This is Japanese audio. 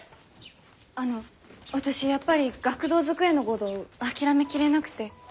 あの私やっぱり学童机のごど諦めきれなくて。